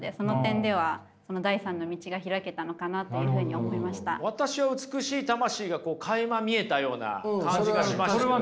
それこそ私は美しい魂がかいま見えたような感じがしました。